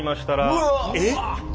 うわ！えっ？